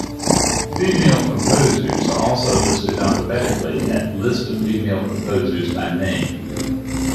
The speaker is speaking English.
Female composers are also listed alphabetically at List of female composers by name.